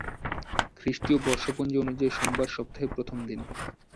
খ্রিস্টীয় বর্ষপঞ্জী অনুযায়ী সোমবার সপ্তাহের প্রথম দিন।